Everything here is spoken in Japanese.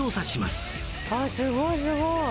あすごいすごい！